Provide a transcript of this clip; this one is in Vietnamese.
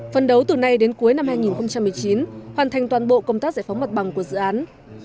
phân đấu từ nay đến cuối năm hai nghìn một mươi chín hoàn thành toàn bộ công tác giải phóng mặt bằng của dự án